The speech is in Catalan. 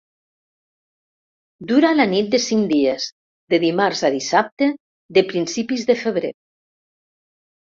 Dura la nit de cinc dies, de dimarts a dissabte de principis de febrer.